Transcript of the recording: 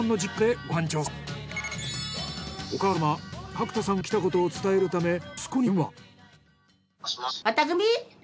お母様角田さんが来たことを伝えるため息子に電話。